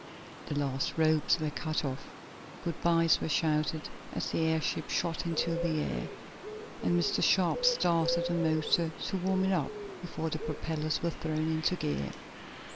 The last ropes were cast off. Good bys were shouted as the airship shot into the air, and Mr. Sharp started the motor, to warm it up before the propellers were thrown into gear.